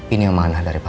ini umat anak dari papa